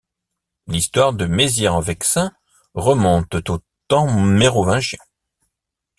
L'histoire de Mézières-en-Vexin remonte aux temps mérovingiens.